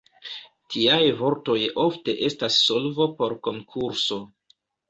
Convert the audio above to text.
Tiaj vortoj ofte estas solvo por konkurso.